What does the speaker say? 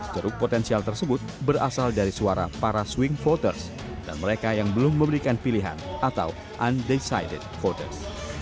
ceruk potensial tersebut berasal dari suara para swing voters dan mereka yang belum memberikan pilihan atau undecided voters